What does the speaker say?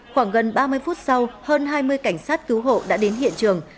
khoảng gần ba mươi phút sau hơn hai mươi cảnh sát cứu hộ đã đến hiện trường